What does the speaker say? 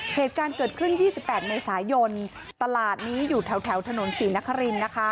เหตุการณ์เกิดขึ้น๒๘เมษายนตลาดนี้อยู่แถวถนนศรีนครินนะคะ